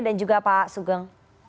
dan juga pak sugeng